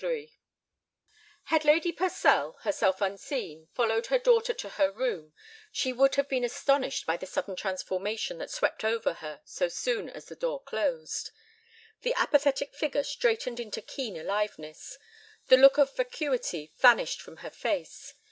III Had Lady Purcell, herself unseen, followed her daughter to her room, she would have been astonished by the sudden transformation that swept over her so soon as the door closed. The apathetic figure straightened into keen aliveness; the look of vacuity vanished from the face.